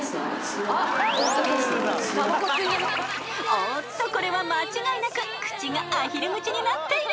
［おおっとこれは間違いなく口がアヒル口になっている］